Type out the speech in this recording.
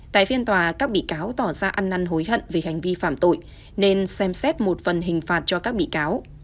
tại phiên tòa các bị cáo tỏ ra ăn năn hối hận vì hành vi phạm tội nên xem xét một phần hình phạt cho các bị cáo